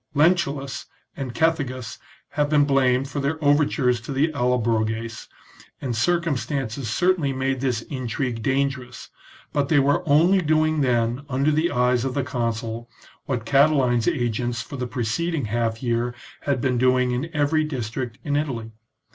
Lentulus and Cethegus have been blamed for their overtures to the Allobroges, and circumstances cer tainly made this intrigue dangerous, but they were only doing then under the eyes of the consul what Catiline's agents for the preceding half year had been doing in every district in Italy.